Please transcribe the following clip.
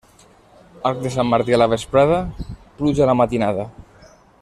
Arc de Sant Martí a la vesprada, pluja a la matinada.